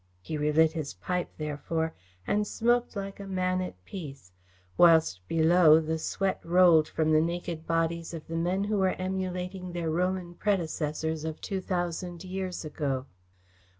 He relit his pipe, therefore, and smoked like a man at peace, whilst below the sweat rolled from the naked bodies of the men who were emulating their Roman predecessors of two thousand years ago.